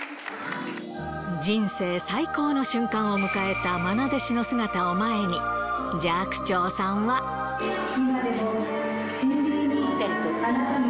人生最高の瞬間を迎えたまな弟子の姿を前に、寂聴さんは。２人で撮って。